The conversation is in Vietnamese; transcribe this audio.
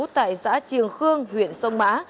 tại xã triều khương huyện sông mã